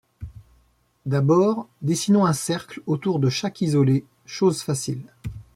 D'abord, dessinons un cercle autour de chaque isolé, chose facile.